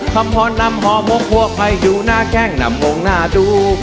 ข้ำหอดนำหอมโมกหัวไปดูหน้าแกงหนำโมงหน้าดู